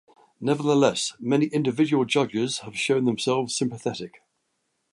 Nevertheless, many individual judges have shown themselves sympathetic.